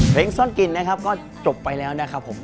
ซ่อนกินนะครับก็จบไปแล้วนะครับผม